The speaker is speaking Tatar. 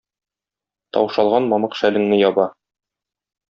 таушалган мамык шәлеңне яба...